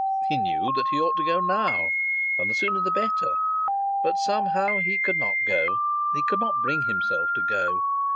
He knew that he ought now to go, and the sooner the better! But somehow he could not go; he could not bring himself to go.